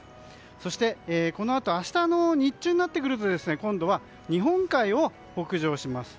そして、このあと明日の日中になってくると今度は日本海を北上します。